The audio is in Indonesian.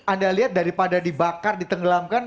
anda lihat daripada dibakar ditenggelamkan